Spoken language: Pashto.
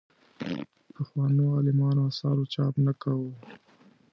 پخوانو عالمانو اثارو چاپ نه کوو.